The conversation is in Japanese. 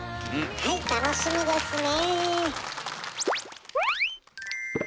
はい楽しみですね！